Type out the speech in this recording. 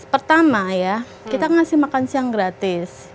pertama ya kita ngasih makan siang gratis